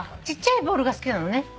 ちっちゃいボールが好きなのね？